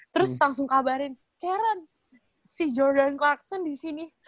terus langsung kabarin karen si jordan clarkson disini